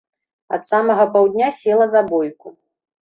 Ад самага паўдня села за бойку.